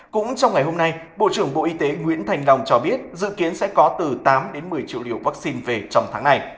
cũng trong ngày hôm nay bộ trưởng bộ y tế nguyễn thành long cho biết dự kiến sẽ có từ tám đến một mươi triệu liều vaccine về trong tháng này